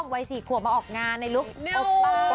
ไว้๔ขัวออกงานในลุกปกป้อง